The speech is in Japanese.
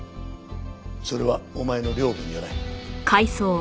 それはお前の領分じゃない。